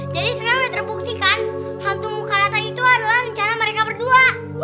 jadi sekarang udah terbuktikan hantu muka rata itu adalah rencana mereka berdua